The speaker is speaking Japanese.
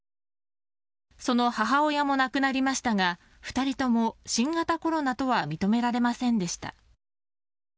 その母親も亡くなりましたが、２人とも新型コロナとは認められませんでした。